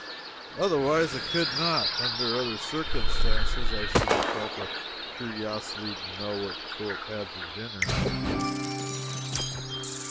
Otherwise, I could not. Under other circumstances I should have felt a curiosity to know what Philip had for dinner.